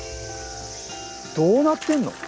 どうなってんの？